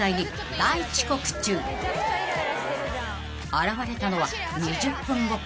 ［現れたのは２０分後］